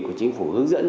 của chính phủ hướng dẫn